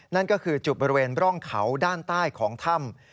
นั่นก็คือจุดบริเวณร่องเขาด้านใต้ของถ้ำ